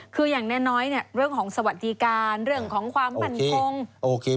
คืออย่างน้อยเนี่ยเรื่องของสวัสดิการเรื่องของความมั่นคง